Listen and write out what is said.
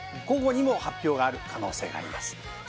午後に発表がある可能性があります。